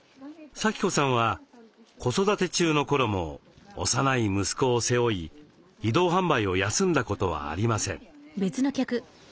さき子さんは子育て中の頃も幼い息子を背負い移動販売を休んだことはありません。